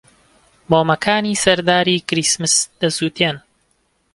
مۆمەکانی سەر داری کریسمس دەسووتێن.